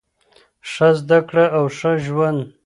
ښه زده کړه او ښه ژوند.